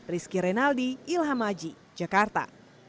rizky renaldi ilham aji jakarta